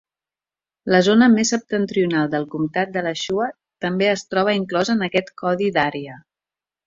La zona més septentrional del comtat d'Alachua també es troba inclosa en aquest codi d'àrea.